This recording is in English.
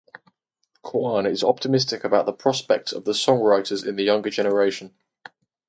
Kuan is optimistic about the prospects of the songwriters in the younger generation.